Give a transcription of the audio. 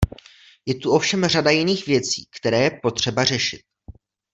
Je tu ovšem řada jiných věcí, které je potřeba řešit.